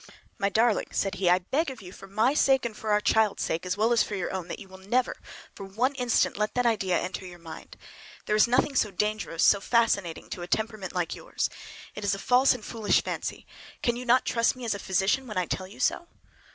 "My darling," said he, "I beg of you, for my sake and for our child's sake, as well as for your own, that you will never for one instant let that idea enter your mind! There is nothing so dangerous, so fascinating, to a temperament like yours. It is a false and foolish fancy. Can you not trust me as a physician when I tell you so?"